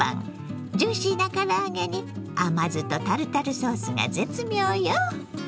ジューシーな唐揚げに甘酢とタルタルソースが絶妙よ。